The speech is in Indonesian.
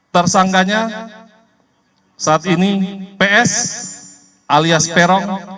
tersangkanya saat ini ps alias peron